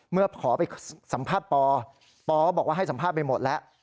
เมื่อขอไปสัมภาษณ์ปอปอก็บอกว่าให้สัมภาษณ์ไปหมดแล้ว